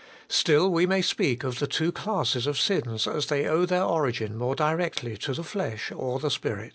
Still we may speak of the two classes of sins as they owe their origin more directly to the flesh or the spirit.